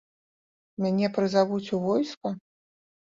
Мяне прызавуць у войска?